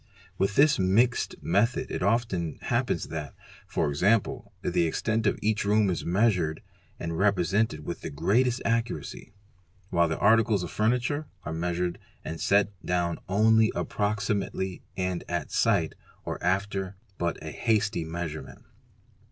With this 'mixed'? method it often happens that, e.g., the extent of each room is measured and represented with the greatest accuracy ; while the articles of furniture are measured and set down only approximately and at sight or after but a hasty measurement.